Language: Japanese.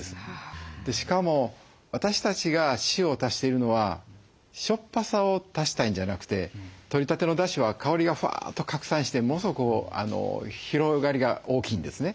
しかも私たちが塩を足しているのはしょっぱさを足したいんじゃなくてとりたてのだしは香りがふわっと拡散してものすごく広がりが大きいんですね。